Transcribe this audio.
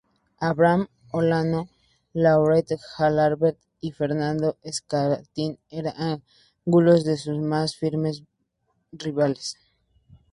Abraham Olano, Laurent Jalabert y Fernando Escartín eran algunos de sus más firmes rivales.